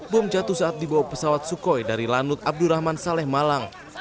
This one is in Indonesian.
bom jatuh saat dibawa pesawat sukhoi dari lanut abdurrahman saleh malang